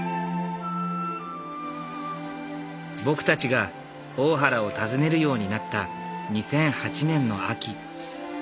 僕たちが大原を訪ねるようになった２００８年の秋。